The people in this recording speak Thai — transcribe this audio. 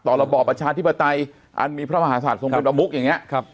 ระบอบประชาธิปไตยอันมีพระมหาศาสตทรงเป็นประมุกอย่างนี้